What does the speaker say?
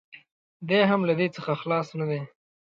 دی هم له دې څخه خلاص نه دی.